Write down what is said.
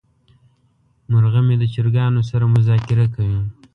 مرغه مې د چرګانو سره مذاکره کوي.